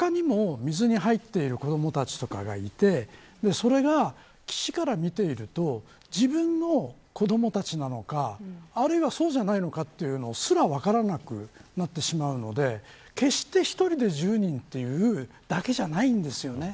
他にも、水に入っている子どもたちとかがいてそれが、岸から見ていると自分の子どもたちなのかあるいはそうじゃないのかというのすら分からなくなってしまうので決して１人で１０人というだけじゃないんですよね。